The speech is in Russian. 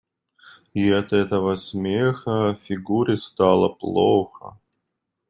И от этого смеха Фигуре стало плохо.